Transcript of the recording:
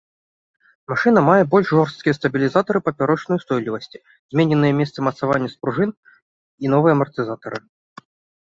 Машына мае больш жорсткія стабілізатары папярочнай устойлівасці, змененыя месцы мацавання спружын і новыя амартызатары.